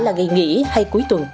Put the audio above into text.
là ngày nghỉ hay cuối tuần